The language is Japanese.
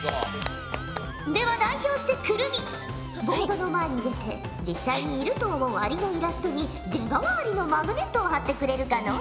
では代表して来泉ボードの前に出て実際にいると思うアリのイラストに出川アリのマグネットを貼ってくれるかのう。